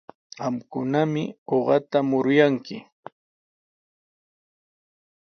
Qamkunami uqata muruyanki.